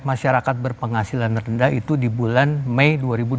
masyarakat berpenghasilan rendah itu di bulan mei dua ribu dua puluh